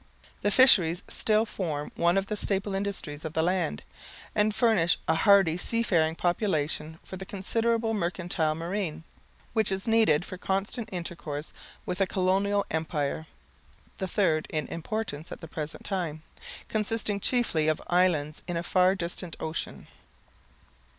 The fisheries still form one of the staple industries of the land, and furnish a hardy sea faring population for the considerable mercantile marine, which is needed for constant intercourse with a colonial empire (the third in importance at the present time) consisting chiefly of islands in a far distant ocean.